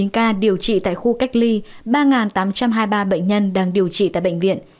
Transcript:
hai trăm chín mươi chín ca điều trị tại khu cách ly ba tám trăm hai mươi ba bệnh nhân đang điều trị tại bệnh viện